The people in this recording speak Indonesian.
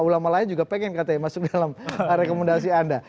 ulama lain juga pengen katanya masuk dalam rekomendasi anda